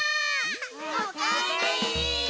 おかえり！